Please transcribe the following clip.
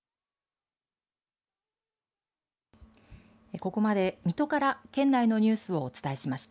ここまで水戸から県内のニュースをお伝えしました。